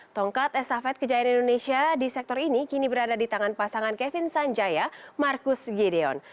tongkat estafet kejayaan indonesia di sektor ini kini berada di tangan pasangan kevin sanjaya marcus gideon